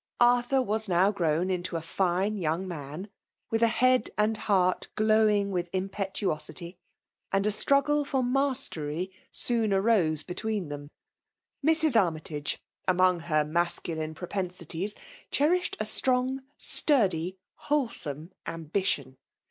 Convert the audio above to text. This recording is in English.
Arthur was now grown into a fine young man, with a head and heart glowing with im > petuosity; and a struggle for mastery sooa arose between them. Mrs. Armytage, araonj^ her masculine propensities, cherished a strongs sturdy, wholesome ambition.